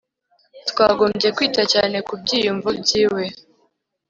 twagombye kwita cyane ku byiyumvo byiwe